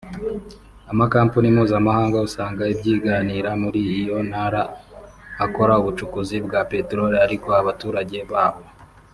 Amakampuni mpuzamahanga usanga ibyiganira muri iyo ntara akora ubucukuzi bwa Petoroli ariko abaturage baho